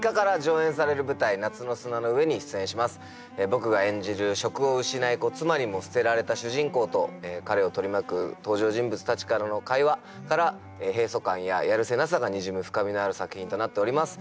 僕が演じる職を失い妻にも捨てられた主人公と彼を取り巻く登場人物達からの会話から閉塞感ややるせなさがにじむ深みのある作品となっております